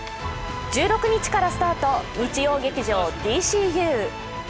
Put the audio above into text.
１６日からスタート、「日曜劇場ＤＣＵ」。